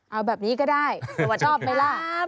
เอาแบบนี้ก็ได้ชอบไหมล่ะ